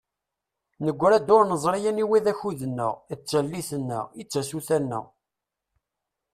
Negra-d ur neẓri aniwa i d akud-nneɣ, i d tallit-nneɣ, i d tasuta-nneɣ.